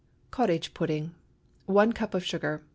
COTTAGE PUDDING. ✠ 1 cup of sugar.